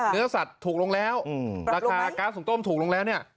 เนื้อสัตว์ถูกลงแล้วราคาก๊าซหุ่งต้มถูกลงแล้วเนี่ย